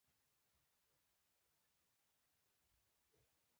اوبه نه لرونکي امونیا نایتروجن لري.